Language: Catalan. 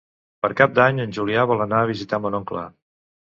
Per Cap d'Any en Julià vol anar a visitar mon oncle.